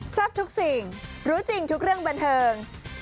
ทุกสิ่งรู้จริงทุกเรื่องบันเทิง